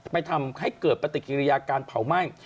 ทำให้เกิดปฏิกิริยาการเผาไหม้